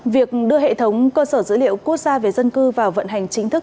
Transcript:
việc đưa hệ thống cơ sở dữ liệu quốc gia về dân cư vào vận hành chính thức